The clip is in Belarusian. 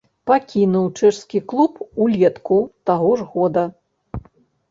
Пакінуў чэшскі клуб улетку таго ж года.